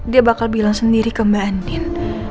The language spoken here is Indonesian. dia bakal bilang sendiri ke mbak andin